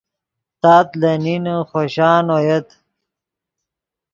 تات لے نین خوشان اویت